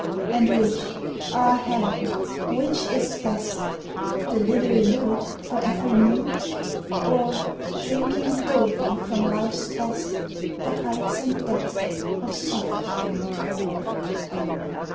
And which, ah, Heaven, which is best The little lute for every mood, Or, shrinking coldly from life's test, The heights and depths of solitude?